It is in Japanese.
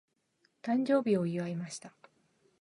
誕生日を祝いました。